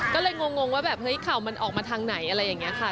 ก็เลยงงว่าแบบเฮ้ยข่าวมันออกมาทางไหนอะไรอย่างนี้ค่ะ